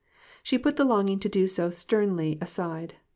She put the longing to do so sternly aside.